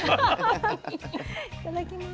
いただきます。